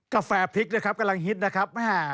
กาแฟพริกนะครับกำลังฮิตนะครับ